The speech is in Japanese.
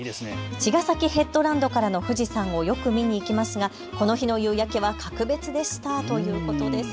茅ヶ崎ヘッドランドからの富士山をよく見に行きますが、この日の夕焼けは格別でしたということです。